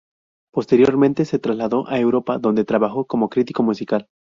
Posteriormente, se trasladó a Europa, donde trabajó como crítico musical.